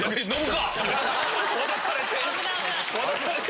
渡されて。